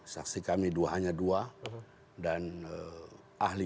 saksi kami hanya dua dan ahli